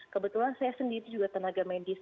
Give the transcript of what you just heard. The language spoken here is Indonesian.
kebetulan saya sendiri juga tenaga medis